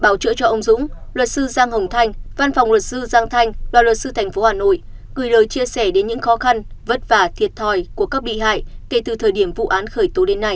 bảo chữa cho ông dũng luật sư giang hồng thanh văn phòng luật sư giang thanh đoàn luật sư thành phố hà nội gửi lời chia sẻ đến những khó khăn vất vả thiệt thòi của các bị hại kể từ thời điểm vụ án khởi tố đến nay